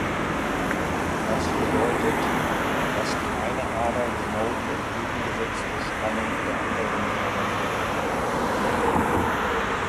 Das bedeutet, dass die eine Ader genau die entgegengesetzte Spannung der anderen Ader führt.